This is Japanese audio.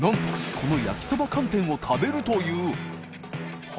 この焼きそば寒天を食べるという祺